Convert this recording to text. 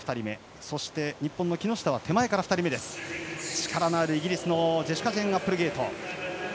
力のあるイギリスのジェシカジェーン・アップルゲイト。